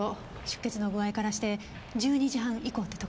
出血の具合からして１２時半以降ってところね。